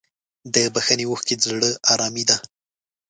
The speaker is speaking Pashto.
د بښنې اوښکې د زړه ارامي ده.